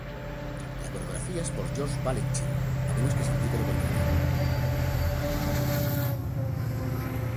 La coreografía es por George Balanchine a menos que se indique lo contrario.